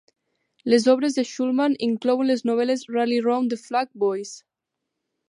Les obres de Shulman inclouen les novel·les Rally Round the Flag, Boys!